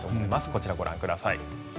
こちらをご覧ください。